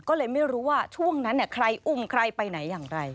ก็เลยไม่รู้ว่าช่วงนั้นใครอุ้มใครไปไหนอย่างไร